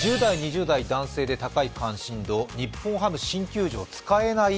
１０代・２０代男性で高い関心度、日本ハム新球場、使えない。